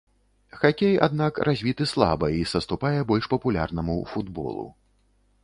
Хакей, аднак, развіты слаба і саступае больш папулярнаму футболу.